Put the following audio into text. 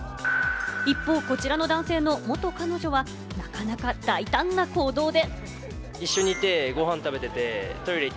一方、こちらの男性の元彼女は、なかなか大胆な行動で。